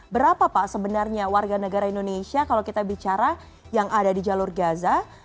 berapa pak sebenarnya warga negara indonesia kalau kita bicara yang ada di jalur gaza